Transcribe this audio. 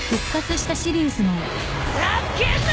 ざけんな！